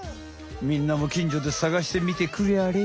みんなもきんじょで探してみてくりゃれ。